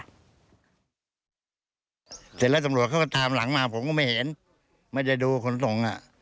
เสร็จแล้วตำรวจเขาก็ตามหลังมาผมก็ไม่เห็นไม่ได้ดูขนส่งอ่ะ